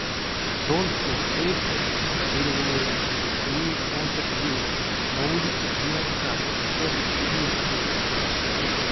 Тон сынст эйстэ, эряви меремс, неить ансяк вейке, но улить лияткак, ещё седеяк кежейть.